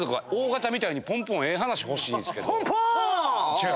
違う！